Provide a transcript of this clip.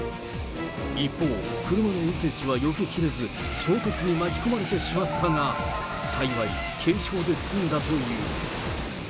一方、車の運転手はよけきれず、衝突に巻き込まれてしまったが、幸い、軽傷で済んだという。